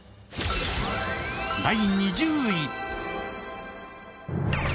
第２０位。